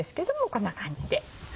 こんな感じで。